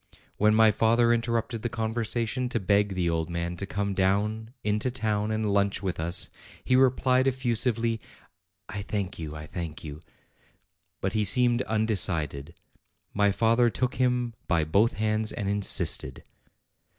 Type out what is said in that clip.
When my father interrupted the conversation, to beg the old man to come down into town and lunch with us, he replied effusively, "I thank you, I thank you," but he seemed undecided. My father took him by both hands, and insisted.